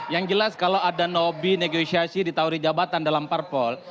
yang jelas kalau ada noby negosiasi ditawari jabatan dalam parpol